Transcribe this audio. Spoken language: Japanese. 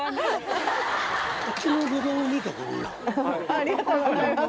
ありがとうございます。